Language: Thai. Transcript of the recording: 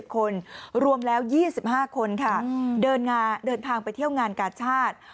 คนรวมแล้ว๒๕คนค่ะเดินทางไปเที่ยวงานกาชาติ